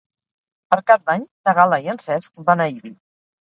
Per Cap d'Any na Gal·la i en Cesc van a Ibi.